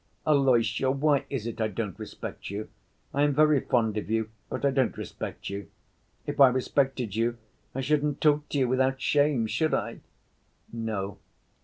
Alyosha, why is it I don't respect you? I am very fond of you, but I don't respect you. If I respected you, I shouldn't talk to you without shame, should I?" "No."